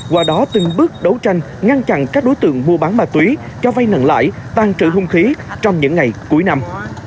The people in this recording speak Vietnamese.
qua đó từng bước đấu tranh ngăn chặn các đối tượng mua bán bà túy cho vai nặng lãi tăng trữ hung khí trong những ngày cuối năm